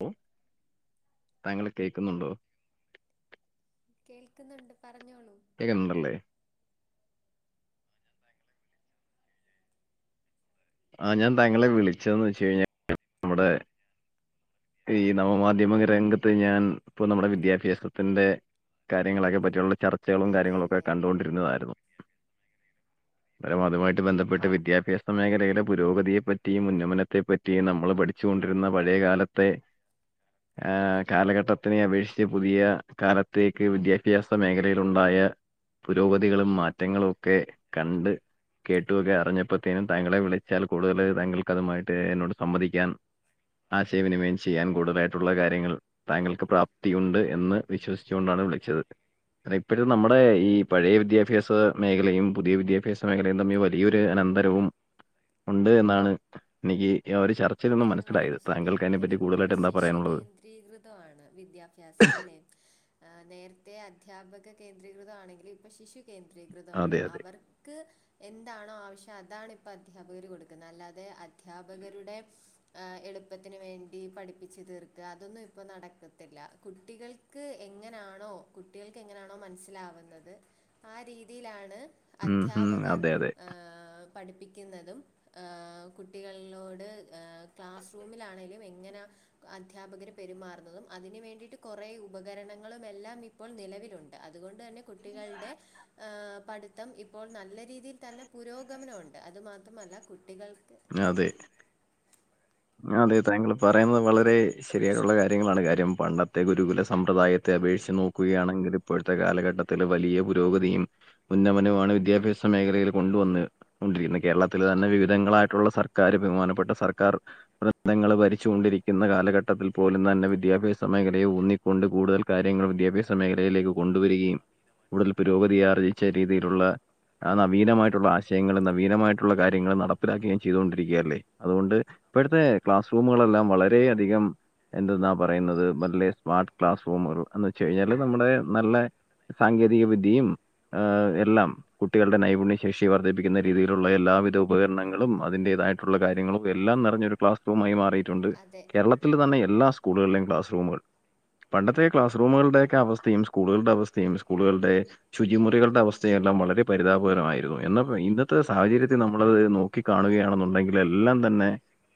പ്പോ താങ്കള് കേക്ക്ന്നുണ്ടോ കേൾക്ക്ന്ന്ണ്ട് പറഞ്ഞോളൂ കേക്ക്ന്ന്ണ്ടല്ലേ ആഹ് ഞാൻ താങ്കെളെ വിളിച്ചെതെന്ന് വെച്ച്കയ്ഞ്ഞാ നമ്മടെ ഈ നവമാധ്യമകരംഗത്ത് ഞാൻ ഇപ്പൊ നമ്മടെ വിദ്യാഭ്യാസത്തിന്റെ കാര്യങ്ങളൊക്കെ പറ്റിയുള്ള ചർച്ചകളും കാര്യങ്ങളൊക്കെ അതെയല്ലേ കണ്ടുകൊണ്ടി ര്ന്നതായ്ര്ന്നു പല മാധ്യമമായിട്ട് ബെന്ധെപ്പെട്ട് വിദ്യാഭ്യാസ മേഖലെയ്ടെ പുരോഗതിയെ പറ്റിയും ഉന്നമനത്തെ പറ്റിയും നമ്മള് പഠിച്ചുകൊണ്ടിരുന്ന പഴയകാലത്തെ ആഹ് കാലഘട്ടത്തിനെ അപേക്ഷിച്ച് പുതിയ കാലത്തേക്ക് വിദ്യാഭ്യാസ മേഖലയിലുണ്ടായ പുരോഗതികളും മാറ്റങ്ങളും ഒക്കെ കണ്ട് കേട്ടു ഒക്കെ അറിഞ്ഞപ്പോത്തേനും താങ്കളെ വിളി- ച്ചാൽ കൂടുതല് താങ്കൾക്ക് അതുമായിട്ട് എന്നോട് സമ്മതിക്കാൻ ആശയവിനിമയം ചെയ്യാൻ കൂടുതലായിട്ടുള്ള കാര്യങ്ങൾ താങ്കൾക്ക് പ്രാപ്തിയുണ്ട് എന്ന് വിശ്വസിച്ചുകൊണ്ടാണ് വിളിച്ചത് അതിപ്പഴും നമ്മടെ ഈ പഴയ വിദ്യാഭ്യാസ മേഖലയും പുതിയ വിദ്യാഭ്യാസ മേഖലയും തമ്മീ വ്യ- വലിയൊരു അനന്തരവും ഉണ്ട് എന്നാണ് എനിക്ക് ആഹ് ഒരു ചർച്ചയിൽ അതെ നിന്നും അത് മനസ്സിലായത് വളരെ താങ്കൾക്ക് അതിനെപ്പറ്റി കൂടുതലായിട്ട് എന്താ പറയാനുള്ളത് തീവൃതവാണ് വിദ്യാഭ്യാസം അല്ലെ ആഹ് നേരത്തെ അധ്യാപക കേന്ദ്രീകൃതവാണെങ്കിലും ഇപ്പൊ ശിശു കേന്ദ്രീകൃതവാണ് അതെ അതെ അവർക്ക് എന്താണോ ആവിശ്യം അതാണ് ഇപ്പോ അദ്ധ്യാപകരു കൊടുക്കുന്നേ അല്ലാതെ അധ്യാപകരുടെ ശ് ആഹ് എളുപ്പത്തിന് വേണ്ടി പഠിപ്പിച്ച് തീർക്കാ അതൊന്നും ഇപ്പൊ നടക്കത്തില്ലാ കുട്ടികൾ ക്ക് എങ്ങനാണോ കുട്ടികൾക്ക് എങ്ങനെയാണോ മനസ്സിലാവുന്നത് ആഹ് രീതിലാണ് ഉം ഉം. അധ്യാപകർ അതെ അതെ ഏഹ് പഠിപ്പിക്കുന്നതും ഏഹ് കുട്ടികള്നോട് ഏഹ് ക്ലാസ്റൂമിലാണേലും എങ്ങനാ അദ്ധ്യാപകര് പെരുമാറുന്നതും അതിന് വേണ്ടീട്ട് കുറെ ഉപകരണങ്ങളുമെല്ലാം ഇപ്പോൾ നിലവിലുണ്ട് അതുകൊണ്ടന്നെ കുട്ടികൾടെ ആഹ് പഠുത്തം ഇപ്പോൾ നല്ല രീതീൽ തന്നെ പുരോഗമനമുണ്ട് അത് മാത്രമല്ല കുട്ടികൾക്ക് അതെ ആഹ് അതെ താങ്കള് പറയുന്നത് വളരെ അപേക്ഷിച്ച് ശരിയായിട്ടുള്ള നോ കാര്യങ്ങളാണ് കാര്യം പണ്ട- ത്തെ ഗുരുകുല സമ്പ്രദായത്തെ അപേക്ഷിച്ച് നോക്കുകയാണെങ്കിൽ ഇപ്പോഴത്തെ കാലഘട്ടത്തില് വലിയ പുരോഗതിയും ഉന്നമനമാണ് വിദ്യാഭ്യാസ മേഖലയില് കൊണ്ടുവന്ന് കൊണ്ടിരിക്കുന്നത് കേരളത്തിലന്നെ വിവിധങ്ങളായി ട്ടുള്ള സർക്കാര് ബഹുമാനപ്പെട്ട സർക്കാർ പ്രത്നങ്ങൾ ഭരിച്ചുകൊണ്ടിരിക്കുന്ന കാലഘട്ടത്തിൽ പോലും തന്നെ വിദ്യാഭ്യാസ മേഖലയെ ഊന്നി- കൊണ്ട് കൂടുതൽ കാര്യങ്ങൾ വിദ്യാഭ്യാസ മേഖലയിലേക്ക് കൊണ്ടുവരികയും കൂടുതൽ പുരോഗതി ആർജിച്ച രീതീലുള്ള ആഹ് നവീനമായിട്ടുള്ള ആശയങ്ങളും നവീനമായിട്ടുള്ള കാര്യങ്ങളും നടപ്പിലാക്കുകയും ചെയ്തൊണ്ടിരിക്കയല്ലേ അതുകൊണ്ട് ഇപ്പഴത്തെ ക്ലാസ് റൂമുകളെല്ലാം വളരെയധികം എന്തെന്നാ പറയുന്നത് നല്ലേ സ്മാർട്ട് ക്ലാസ്റൂമുകൾ എന്ന് വെച്ച്ഴിഞ്ഞാല് നമ്മുടെ നല്ലേ സാങ്കേതിക വിദ്യയും ആഹ് എല്ലാം കുട്ടികളുടെ നൈപുണ്യ ശേഷി വർദ്ധിപ്പിക്കുന്നരീതിയിലുള്ള എല്ലാവിധ ഉപകരണങ്ങളും അതിന്റേതായിട്ടുള്ള കാര്യങ്ങളും എല്ലാം നിറഞ്ഞൊരു ക്ലാസ് റൂമായി മാറിയിട്ടുണ്ട് അതെ കേരള- ത്തിലന്നെ എല്ലാ സ്കൂളുകളിലെയും ക്ലാസ്റൂമുകൾ പണ്ടത്തെ ക്ലാസ്സ്റൂമുകളുടെക്കെ അവസ്ഥയും സ്കൂളുകൾടെ അവസ്ഥം സ്കൂളുകൾടെ ശുചിമുറികളുടെ അവസ്ഥയെല്ലാം വളരെ പരിതാപകരമായിരുന്നു എന്നപ്പ ഇന്നത്തെ സാഹചര്യത്തിൽ നമ്മളത് നോക്കി കാണുകയാണ് എന്നുണ്ടെങ്കില് എല്ലാം തന്നെ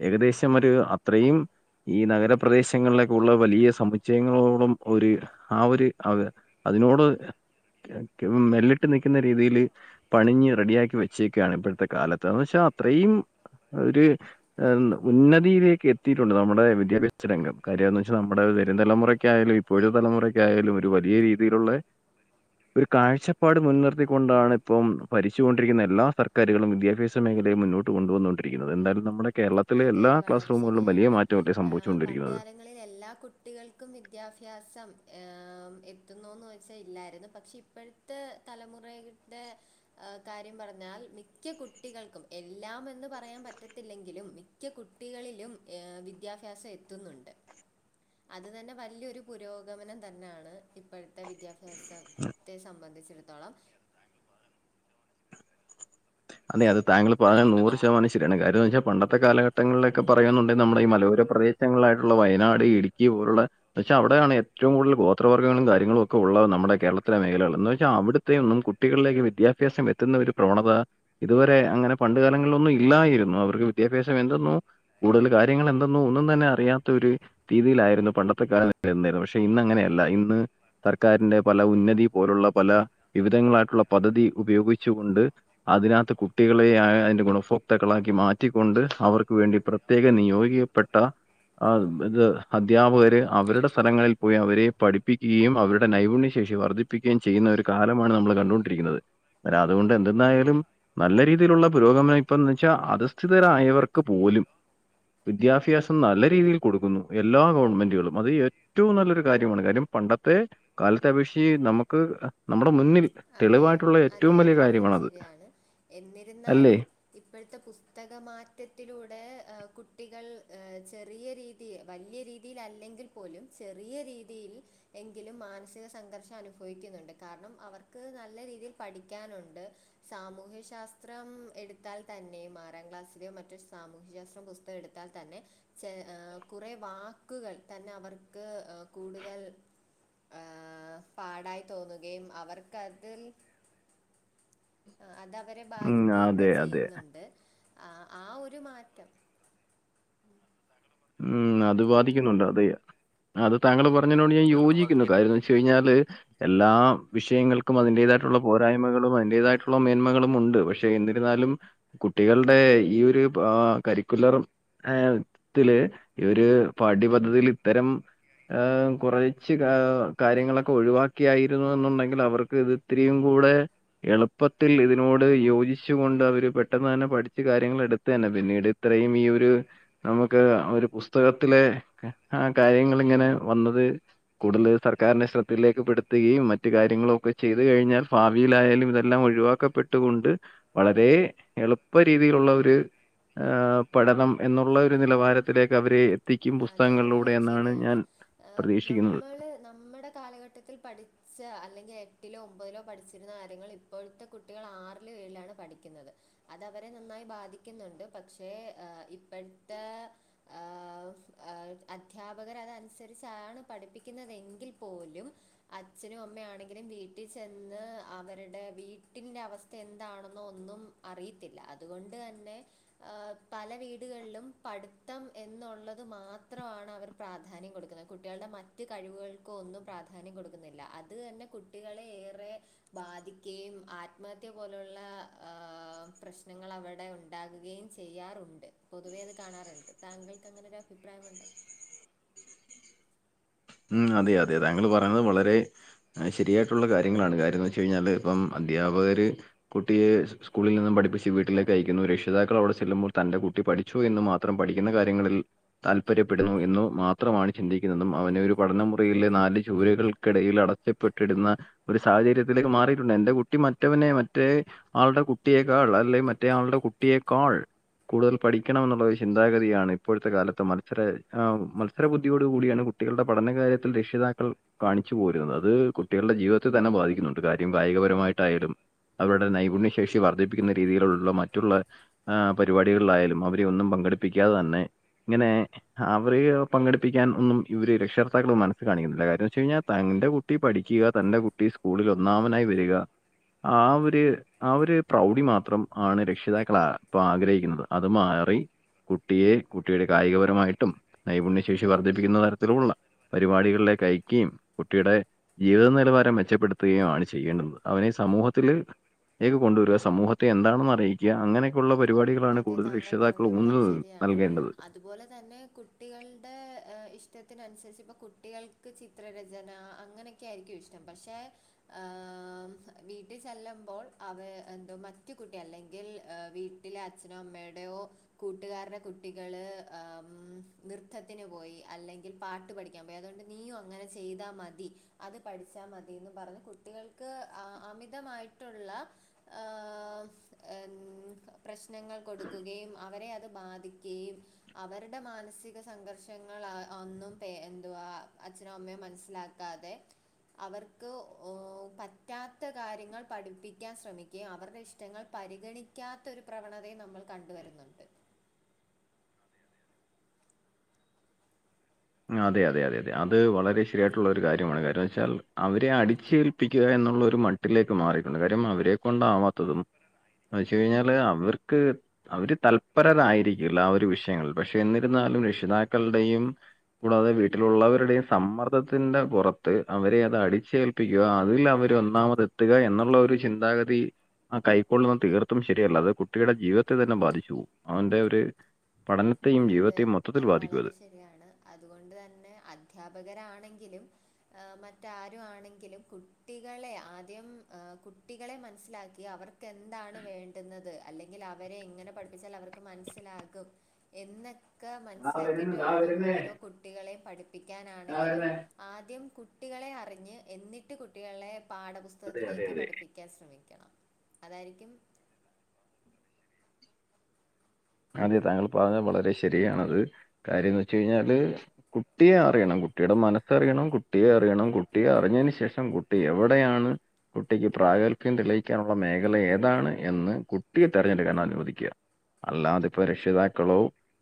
ഏകദേശം ഒരു അത്രയും ഈ നഗരപ്രദേശങ്ങളിലൊക്കെ ഉള്ള വലിയ സമുച്ചയങ്ങളോളം ഒരു ആഹ് ഒരു അതെ അതിനോട് മെല്ലിട്ട് നിക്കുന്ന രീതീല് പണിഞ്ഞ് റെഡിയാക്കി വെച്ചേക്കാണ് ഇപ്പഴത്തെ കാലത്ത് എന്ന് വെച്ചാ അത്രയും ഒരു എന്ന് ഉന്നതിയിലേക്ക് എത്തിയിട്ടുണ്ട് നമ്മുടെ വിദ്യാഭ്യാസ രംഗം കാര്യന്ന് വെച്ചാൽ നമ്മുടെ വരും തലമുറയ്ക്കായാലും പുതു തലമുറക്കായാലും ഒരു വലിയ രീതിയിലുള്ളെ ഒരു കാഴ്ചപ്പാട് മുൻനിർത്തിക്കൊണ്ടാണ് ഇപ്പം ഭരിച്ചുകൊണ്ടിരിക്കുന്ന എല്ലാ സർക്കാരുകളും വിദ്യാഭ്യാസ മേഖല യെ മുന്നോട്ട് കൊണ്ടുവന്നു കൊണ്ടിരിക്കുന്നത് എന്താലും നമ്മുടെ കേരളത്തിലെ അതെ എല്ലാ അത് വളരെ ക്ലാസ്റൂമുകളിലും വലിയ മാറ്റം അല്ലേ സംഭവിച്ചുകൊണ്ടിരിക്കുന്നത് ങ്ങളിൽ എല്ലാ കുട്ടികൾക്കും വിദ്യാഭ്യാസം എത്തുന്നുന്ന് ചോയ്ച്ച ഇല്ലായിരുന്നു പക്ഷെ ഇപ്പഴ് ത് തലമുറെയ്ക്കിട്ടെ ആഹ് കാര്യം പറഞ്ഞാൽ മിക്ക കുട്ടികൾക്കും എല്ലാം എന്ന് പറയാൻ പറ്റത്തില്ലെങ്കിലും മിക്ക കുട്ടികളിലും വിദ്യാഭ്യാസം എത്തുന്നുണ്ട് അത് തന്നെ വലിയൊരു പുരോഗമനം തന്നെയാണ് ഇപ്പഴത്തെ വിദ്യാഭ്യാസതെ സംബന്ധിച്ചിടത്തോളം അതെ അത് താങ്കള് പറ പറയുന്നുണ്ടെങ്കിൽ നൂറ് നമ്മുടെ ശതമാനം ശെ ച്ചിരിയാണ് കാര്യോന്ന് വെച്ചാൽ പണ്ടത്തെ കാലഘട്ടങ്ങളിലൊക്കെ പറയുന്നുണ്ട് നമ്മുടെ ഈ മലയോര പ്രദേശങ്ങളിലായിട്ടുള്ള വയനാട് ഇടുക്കി പോലുള്ള പക്ഷെ അവിടൊണ് ഏറ്റവും കൂടുതൽ ഗോത്രവർഗങ്ങളും കാര്യങ്ങളും ഒക്ക ഉള്ളത് നമ്മടെ കേരളത്തിലെ മേഖലകള്ന്ന് വെച്ചാ അവിടുത്തെ ഒന്നും കുട്ടികളിലേക്കും വിദ്യാഭ്യാസം എത്തുന്ന ഒരു പ്രവണത ഇതുവരെ അങ്ങനെ പണ്ട് കാലങ്ങളിലൊന്നും ഇല്ലായിരുന്നു അവർക്ക് വിദ്യാഭ്യാസം എന്തന്നോ കൂടുതല് കാര്യങ്ങള് എന്തെന്നോ ഒന്നും തന്നെ അറിയാത്ത ഒരു രീതിയിലായിരുന്നു പണ്ടത്തെ കാലം എന്നിര് പക്ഷെ ഇന്നങ്ങനെ അല്ല ഇന്ന് സർക്കാരിന്റെ പല ഉന്നതി പോലുള്ള പല വിവിധങ്ങളായിട്ടുള്ള പദ്ധതി ഉപയോഗിച്ചുകൊണ്ട് അതിനകത്ത് കുട്ടികളെ ആ അയിന്റെ ഗുണഭോക്താക്കളാക്കി മാറ്റിക്കൊണ്ട് അവർക്ക് വേണ്ടി പെറ് പ്രത്യേക നിയോഗിക്കപ്പെട്ട അ ഇത് അദ്ധ്യാപകര് അവരുടെ ശേഷി വർദ്ധിപ്പിക്കും സ്ഥലങ്ങളിൽ പോയി അവരെ പഠിപ്പിക്കേയും അവരുടെ നൈപുണ്യശേഷി വർദ്ധിപ്പിക്കുകയും ചെയ്യുന്ന ഒരു കാലമാണ് നമ്മള് കണ്ടുകൊണ്ടിരിക്കുന്നത് ര അതുകൊണ്ട് എന്ത്ന്നായാലും ലും നല്ല രീതിയിലുള്ള പുരോഗമനം ഇപ്പന്ന് വെച്ചാ അധസ്ഥിര ആയവർക്ക് പോലും വിദ്യാഭ്യാസം നല്ല രീതിയിൽ കൊടുക്കുന്നു എല്ലാ ഗവൺമെന്റുകളും അതേയ് ഏറ്റവും നല്ലൊരു കാര്യമാണ് കാര്യം പണ്ടത്തെ കാലത്തെ അപേക്ഷിച്ച് നമുക്ക് നമ്മുടെ മുന്നിൽ അതെ തെളിവായിട്ടുള്ള ഏറ്റവും അതെ വലിയ അത് വളരെ കാര്യമാണത്. ശരിയാണ് അല്ലേ? എന്നിരുന്നാലും ഇപ്പഴത്തെ പുസ്തകമാറ്റത്തിലൂടെ കുട്ടികൾ ചെറിയ രീതി തി വലിയ രീതിൽ അല്ലെങ്കിൽ പോലും ചെറിയ രീതിയിൽ എങ്കിലും മാനസിക സംഘർഷം അനുഭവിക്കുന്നുണ്ട് കാരണം അവർ ക്ക് നല്ല രീതിയിൽ പഠിക്കാനുണ്ട് സാമൂഹ്യ ശാസ്ത്രം എടുത്താൽ തന്നെയും ആറാം ക്ലാസ്സിലെയോ മറ്റു സാമൂഹ്യസ്ത്രം പുസ് ത് എടുത്താൽ തന്നെ ചെ ആ കുറേ വാക്കുകൾ തന്നെ അവർക്ക് കൂടുതൽ പാടായി തോന്നുകയും അവർ കതിൽ അതവരെ ഉം. ബാധിക്കേക്ക അതെ, അതെ. ചെയ്യുന്നുണ്ട് ആ ആ ഒരു മാറ്റം ഉം അത് ബാധിക്കുന്നുണ്ട് അതെയ് അത് താങ്കൾ പറഞ്ഞേനോട് ഞാൻ നിങ്ങൾക്കും യോജിക്കുന്നു അതിന്റെ കാര്യന്താന്ന് വെച്ചാ ച്ചു കഴിഞ്ഞാല് എല്ലാ വിഷയങ്ങൾക്കും അതിന്റേതായിട്ട് റ്റുള്ള പോരായ്മകളും അതിൻ്റെതായിട്ടുള്ള മേന്മകളും ഉണ്ട് പക്ഷേ റ്റെ എന്നിരുന്നാലും കുട്ടികളുടെ ഈ ഒരു പാ കരിക്കുലറും ആ ത്തില് ഈ ഒരു പഠിപദ്ധതില് ഇത്തരം കുറച്ച് കാര്യങ്ങളൊക്കെ ഒഴിവാക്കിയായിരുന്നു എന്നുണ്ടെങ്കില് അവർക്ക് ഇത് ഇത്തിരീം കൂടെ എളുപ്പത്തിൽ ഇതിനോട് യോജിച്ചു കൊണ്ട് അവര് പെട്ടെന്ന് തന്നെ പഠിച്ചു കാര്യങ്ങൾ എടുത്തു തന്നെ പിന്നീട് ഇത്രയും ഈ ഒരു നമുക്ക് ഒരു പുസ്ത പുസ്തകത്തിലെ ആ കാര്യങ്ങൾിങ്ങനെ വന്നത് കൂടുതൽ സർക്കാരിന്റെ ശ്രദ്ധയിലേക്ക്പ്പെടുത്തുകയും മറ്റ് കാര്യങ്ങളൊക്കെ ചെയ്ത് കഴിഞ്ഞാൽ ഭാവിയിലായാലും ഇതെല്ലാം ഒഴിവാക്കപ്പെട്ടുകൊണ്ട് വളരെ എളുപ്പ രീതിയിലുള്ള ഒരു പഠനം എന്നുള്ള നിലവാരത്തിലേക്ക് അവരെ എത്തിക്കും അതെ അതെ പുസ്തകങ്ങളിലൂടെ വളരെ എന്നാണ് ശരിയാണ് ഞാൻ പ്രതീക്ഷിക്കുന്നത്. നമ്മള് നമ്മടെ കാലഘട്ട ട്ടത്തിൽ പഠിച്ച അല്ലെങ്കിൽ എട്ടിലോ ഒമ്പതിലോ പഠിച്ചിരുന്ന കാര്യങ്ങൾ ഇപ്പോഴത്തെ കുട്ടികൾ ആറില് ഏഴിലാണ് പഠിക്കുന്നത് അതവരെ നന്നായി ബാധിക്കുന്നുണ്ട് പക്ഷേ ഇപ്പഴ്ത്തെ ഹേ അദ്ധ്യാപകരതനുസരിച്ചാണ് പഠിപ്പിക്കുന്നതെങ്കിൽ പോലും അച്ഛനും അമ്മയാണെങ്കിലും വീട്ടിൽ ചെന്ന് അവരുടെ വീട്ടിന്റെ അവസ്ഥ എന്താണെന്നൊന്നും അറിയത്തില്ല അതുകൊണ്ട് തന്നെ ആ പല വീടുകളിലും പഠ്ത്തം എന്നുള്ളത് ത് മാത്രമാണ് അവർ പ്രാധാന്യം കൊടുക്കുന്നത് കുട്ടികളുടെ മറ്റ് കഴിവുകൾക്ക ഒന്നും പ്രാധാന് ധാന്യം കൊടുക്കുന്നില്ല അതു തന്നെ കുട്ടികളെ ഏറെ ബാധിക്കുകയും ആത്മഹത്യ പോലെയുള്ള ആഹ് പ്രശ്നങ്ങൾ അവിടെ ഉണ്ടാകുകയും ചെയ്യാറുണ്ട് പൊതുവേത് കാണാറുണ്ട് താങ്കൾക്ക് അങ്ങനെ ഒരു അഭിപ്രായമുണ്ടോ ഉം അതെ അതെ താങ്കൾ പറയുന്നത് വളരെ ശരിയായിട്ടുള്ള കാര്യങ്ങളാണ് കാര്യംന്ന് വെച്ച് കഴിഞ്ഞാല് ഇപ്പം അധ്യാപകര് കുട്ടിയെ സ്കൂളിൽ നിന്നും പഠിപ്പിച്ച് വീട്ടിലേക്ക് അയക്കുന്നു രക്ഷിതാക്കൾ അവിടെ ചെല്ലുമ്പോൾ തന്റെ കുട്ടി പഠിച്ചു എന്ന് മാത്രം പഠിക്കുന്ന കാര്യങ്ങളിൽ താല്പര്യപ്പെടുന്നു എന്നു മാത്രമാണ് ചിന്തിക്കുന്നതും അവനെ ഒരു പഠനമുറിയിലെ നാല് ചുവരുകൾക്കിടയിൽ അടച്ചപ്പെട്ടിടുന്ന ഒരു സാഹചര്യത്തിലേക്ക് മാറിയിട്ടുണ്ട് എന്റെ കുട്ടി മറ്റവനെ മറ്റേ ആളുടെ കുട്ടിയേക്കാൾ അല്ലെ മറ്റേ ആൾടെ കുട്ടിയേക്കാൾ കൂടുതൽ പഠിക്കണംെന്നുള്ള ഒരു ചിന്താഗതിയാണ് ഇപ്പോഴത്തെ കാലത്ത് മത്സര മത്സര ബുദ്ധിയോടു കൂടിയാണ് കുട്ടികളുടെ പഠന കാര്യത്തിൽ രക്ഷിതാക്കൾ കാണിച്ചു പോരുന്നത് അത് കുട്ടികളുടെ ജീവിതത്തെ തന്നെ ബാധിക്കുന്നുണ്ട് കാര്യം കായികപരമായിട്ടായാലും അവരുടെ നൈപുണ്യ ശേഷി വർദ്ധിപ്പിക്കുന്ന രീതിയിലുള്ള മറ്റുള്ള ആഹ് പരിപാടികളിലായാലും അവരെ ഒന്നും പങ്കെടുപ്പിക്കാതെ തന്നെ ഇങ്ങനെ അവരെ പങ്കെടുപ്പിക്കാൻ ഒന്നും ഇവരെ രക്ഷ ശക്ഷർത്താക്കൾ മനസ്ൽ കാണിക്കുന്നില്ല കാര്യം വെച്ച് കഴിഞ്ഞാൽ തന്റെ കുട്ടി പഠിക്കുക തന്റെ കുട്ടി സ്കൂളിൽ ഒന്നാമനായി വരിക ആഹ് ഒരു ആ ഒരു പ്രൗഢി മാത്രംമാണ് രക്ഷിതാക്കളാ ആഗ്രഹിക്കുന്നത് അത് മാറി കുട്ടിയെ കുട്ടിയുടെ കായിക പരമായിട്ടും നൈപുണ്യ ശേഷി വർദ്ധിപ്പിക്കുന്ന തരത്തിലുള്ള പരിപാടികളിലേക്ക് അയക്കിം കുട്ടിയുടെ ജീവിത നിലവാരം മെച്ചപ്പെടുത്തുകയും ആണ് ചെയ്യേണ്ടത് അവനെ സമൂഹത്തില് ലേക്ക് കൊണ്ടുവരുക സമൂഹത്തെ എന്താണെന്ന് അറിയി ക്യാ അങ്ങനെയൊക്കെയുള്ള പരിപാടികളാണ് അതെ കൂടുതൽ താങ്കൾ രക്ഷിതാക്കൾ പറഞ്ഞത് വളരെ ഊനനൽ ശരിയാണ്. നൽകേണ്ടത് അതുപോലെ തന്നെ കുട്ടികളുടെ ഇഷ്ടത്തിന അനുസരിച്ച് ഇപ്പ കുട്ടികൾക്ക് ച്ചി ചിത്ര രചന അങ്ങനെയൊക്കൊയിരിക്കും ഇഷ്ടം പക്ഷേ ആഹ് വീട്ടിൽ ചെല്ലുമ്പോൾ അവ എന്തോ മറ്റു കുട്ടി അല്ലെങ്കിൽ ഏഹ് വി വീട്ടിലെ അച്ഛനോ അമ്മയുടെയോ കൂട്ടുകാരുടെ കുട്ടികള് നൃത്തത്തിന് പോയി അല്ലെങ്കിൽ പാട്ട് പഠിക്കാൻ പോയി അതു കൊണ്ട് നീയും അങ്ങനെ ചെയ്താ മതി അത് പഠിച്ചാ മതീന്ന് പറഞ്ഞു കുട്ടികൾക്ക് ആഹ് അമിതമായിട്ടുള്ള ആഹ് ഏഹ് ന്താ പ്രശ്നങ്ങൾ കൊടുക്കുകയും അവരെ അത് ബാധിക്കുകയും അവരുടെ മാനസിക സംഘർഷങ്ങൾ ഒന്നും എന്തുവാ അച്ഛനും അമ്മയും മനസ്സിലാക്കി ക്കാതെ അവർക്ക് ഓഹ് പറ്റാത്ത കാര്യങ്ങൾ പഠിപ്പിക്കാൻ ശ്രമി ക്ക് അവരുടെ ഇഷ്ടങ്ങൾ പരിഗണിക്കാത്ത ഒരു പ്രവണതയും നമ്മൾ കണ്ട് വരുന്നുണ്ട് അതെ അതെ അതെ അതെ അത് വളരെ ശരിയായിട്ടുള്ള ഒരു കാര്യമാണ് കാരണംന്ന്വെച്ചാൽ അവരെ അടിച്ചേൽപ്പിക്കുക എന്നുള്ളൊരു മട് ട്ടിലേക്ക് മാറിയിട്ടുണ്ട് കാര്യം അവരെ കൊണ്ടാവാത്തതും ന്ന് വെച്ച് കഴിഞ്ഞാല് അവർക്ക് അവര് തല്പരരായിരിക്കില്ല ആ ഒരു വിഷയങ്ങളിൽ പക്ഷെ എന്നിരുന്നാലും രക്ഷിതാക്കളുടെയും കൂടാതെ വീട്ടിലുള്ളവരുടെയും സമ്മർദ്ദത്തിന്റെ പുറത്ത് അവരെ അത് അടിച്ചേൽ പ്പിക്കുക അതിൽ അവര് ഒന്നാമത് എത്തുക എന്നുള്ള ഒരു ചിന്താഗതി ആഹ് കൈക്കൊള്ളുന്ന തീർത്തും ശരിയല്ല അത് കുട്ടിയുടെ ജീവിതത്തെ തന്നെ ബാധിച്ചു പോകും അവന്റെ ഒരു പഠനത്തെയും ജീവിതത്തെയും മൊത്തത്തിൽ ബാധിക്കുവത് നെയാണ് അതുകൊണ്ട് തന്നെ അധ്യാപകരാണെങ്കിലും ആഹ് മറ്റാരു ആണെങ്കിലും കുട്ടികളെ ആദ്യം ആഹ് കുട്ടികളെ മനസ്സിലാക്കി അവർ ക്കെന്താണ് വേണ്ടുന്നത് അല്ലെങ്കിൽ അവരെ എങ്ങനെ പഠിപ്പിച്ചാൽ അവർക്ക് മനസ്സിലാകും എന്നെക്കെ ദാ വരുന്നു, മനസ്സിലാക്കിട്ട് ദാ വേണം വരുന്നേ, ഓരോ കുട്ടികളേം ദാ പഠിപ്പിക്കാനാണെങ്കിലും വരുന്നേ. ആദ്യം കുട്ടികളെ അറിഞ്ഞ് എന്നിട്ട് കുട്ടികളെ അതെ അതെ പാഠപുസ്തകത്തിലേക്ക് അതെ പഠിപ്പിക് ക്കാൻ ശ്രമിക്കണം അതാരിക്കും അതെ താങ്കൾ പറഞ്ഞത് വളരെ ശരിയാണത് കാര്യംന്ന് വെച്ച് കഴിഞ്ഞാല് കുട്ടിയെ അറിയണം കുട്ടിയുടെ മനസ്സ് അറിയണം കുട്ടിയെ അറിയണം കുട്ടിയെ അറിഞ്ഞതിന് ശേഷം കുട്ടി എവിടെയാണ് കുട്ടിക്ക് പ്രാഗത്ഭ്യം തെളിയിക്കാനുള്ള മേഖല ഏതാണ് എന്ന് കുട്ടിയെ തെരഞ്ഞെടുക്കാൻ അനുവദിക്ക്യ. അല്ലാതെ ഇപ്പ രക്ഷിതാക്കളോ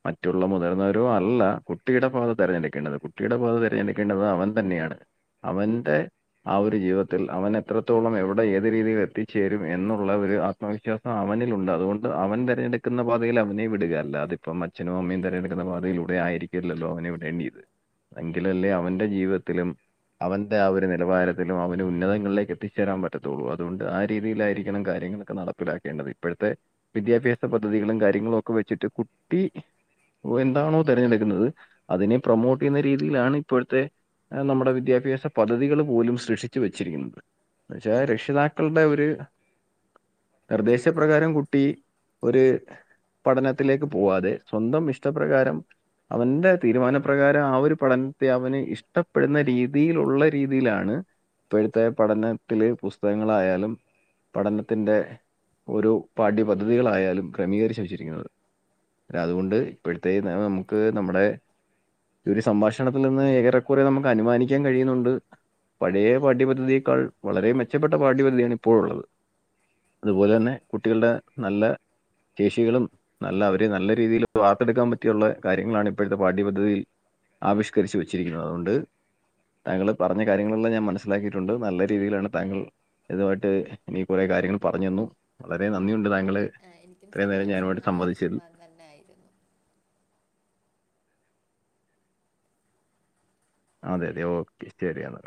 മറ്റുള്ള മുതിർന്നവരോ അല്ല കുട്ടിയുടെ പാത തെരഞ്ഞെടുക്കേണ്ടത് കുട്ടിയുടെ പാത തെരഞ്ഞെടുക്കേണ്ടത് അവൻ തന്നെയാണ് അവന്റെ ആ ഒരു ജീവിതത്തിൽ അവൻ എത്രത്തോളം എവിടെ ഏത് രീതിയിൽ എത്തിച്ചേരും എന്നുള്ള ഒരു ആ ത്മവിശ്വാസം അവനിലുണ്ട് അതുകൊണ്ട് അവൻ തെരഞ്ഞെടുക് ക്കുന്ന പാതയിൽ അവനെ വിടുക അല്ലാതെ ഇപ്പം അച്ഛനും അമ്മയും തെരഞ്ഞെടുക്കുന്ന പാതയിലൂടെ ആയിരിക്കില്ലല്ലോ അവനെ വിടേണ്ടിയത് എങ്കിലല്ലേ അവന്റെ ജീവിതത്തിലും അവന്റെ ആ ഒരു നിലവാരത്തിലും അവന് ഉന്നതങ്ങളിലേക്ക് എത്തിച്ചേരാൻ പറ്റത്തൊള്ളൂ അതുകൊണ്ട് ആ രീതിയിലായിരിക്കണം കാര്യങ്ങള് ക്കെ നടപ്പിലാക്കേണ്ടത് ഇപ്പഴത്തെ വിദ്യാഭ്യാസ പദ്ധതികളും കാര്യങ്ങളും ഒക്കെ വെച്ചിട്ട് കുട്ടി ഓഹ് എന്താണോ തെരഞ്ഞെടുക്കുന്നത് അതിനെ പ്രൊമോട്ട് ചെയ്യുന്ന രീതിയിലാണ് ഇപ്പോഴത്തെ ഏഹ് നമ്മുടെ വിദ്യാഭ്യാസ പദ്ധതികള് പോലും സൃഷിച്ചു വെച്ചിരിക്കുന്നത് പക്ഷേ രക്ഷിതാക്കളുടെ ഒര് നിർദ്ദേശപ്രകാരം കുട്ടി ഒര് പഠനത്തിലേക്ക് പോവാതെ സ്വന്തം ഇഷ്ടപ്രകാരം അവന്റെ തീരുമാനപ്രകാരം ആ ഒരു പഠനത്തെ അവന് ഇഷ്ടപ്പെടുന്ന രീതിയിലുള്ള രീതിയിലാണ് ഇപ്പോഴത്തെ പഠനത്തില് പുസ്തകങ്ങളായാലും പഠനത്തിന്റ ഓരോ പാഠ്യപദ്ധതികളായാലും ക്രമീകരിച്ച് വച്ചിരിക്കുന്നത് രതുകൊണ്ട് ഇപ്പഴ്ത്തെ ന നമുക്ക് നമ്മുടെ ഈ ഒരു സംഭാഷണത്തിൽ നിന്ന് ഏറെക്കുറെ നമുക്ക് അനുമാനിക്കാൻ കഴിയുന്നുണ്ട് പഴേ പാഠ്യപദ്ധതിയേക്കാൾ വളരെ മെച്ചപ്പെട്ട പാഠ്യപദ്ധതിയാണ് ഇപ്പോഴുള്ളത് അതുപോലെ തന്നെ കുട്ടികളുടെ നല്ല ശേഷികളും നല്ല അവരെ നല്ല രീതിയില് വാർത്തെടുക്കാൻ പറ്റിയുള്ള കാര്യങ്ങളാണ് ഇപ്പോഴത്തെ പാഠ്യപദ്ധതിയിൽ ആവിഷ്കരിച്ചു വെച്ചിരിക്കുന്നത് അതുകൊണ്ട് താങ്കള് പറഞ്ഞ കാര്യങ്ങളെല്ലാം ഞാൻ മനസ്സിലാക്കിയിട്ടുണ്ട് നല്ല രീതിയിലാണ് താങ്കൾ ഇതുമായിട്ട് എനിക്ക് കുറെ കാര്യങ്ങള് പറഞ്ഞു തന്നു വളരെ നന്ദിയുണ്ട് താങ്കള് ആഹ് എനിക്കും സന്തോഷം നല്ലൊരു സംവാദം തന്നെ ആയിരുന്നു അതെ അതെ ഓക്കെ ശരി എന്നാ